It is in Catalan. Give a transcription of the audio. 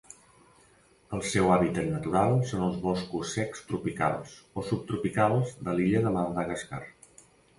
El seu hàbitat natural són els boscos secs tropicals o subtropicals de l'illa de Madagascar.